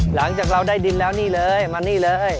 หลังจากเราได้ดินแล้วนี่เลยมานี่เลย